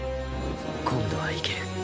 今度はいける。